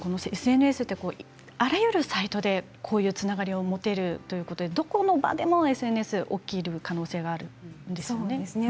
しかも、あらゆるサイトでこういうつながりを持てるということで、どこの場でもＳＮＳは起きる可能性はあるんですよね。